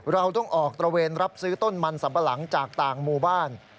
เราต้องออกตระเวนรับซื้อต้นมันสัมปะหลังจากต่างหมู่บ้าน